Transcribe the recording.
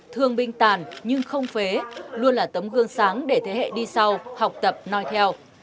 thương binh tàn nhưng không phế luôn là tấm gương sáng để thế hệ đi sau học tập nói theo